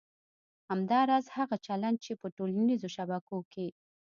همداراز هغه چلند چې په ټولنیزو شبکو کې